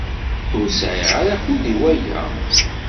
Ur sɛiɣ ara akud i waya.